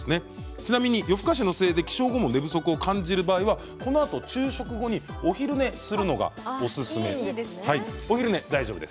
ちなみに夜更かしのせいで起床後も寝不足を感じる場合はこのあと昼食後にお昼寝するのがおすすめです。